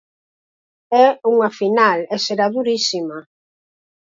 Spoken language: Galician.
É unha final e será durísima.